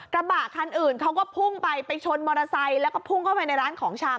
กระบะคันอื่นเขาก็พุ่งไปไปชนมอเตอร์ไซค์แล้วก็พุ่งเข้าไปในร้านของชำ